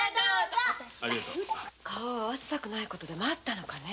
何か顔を合わせたくない事でもあったのかね。